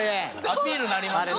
アピールになります？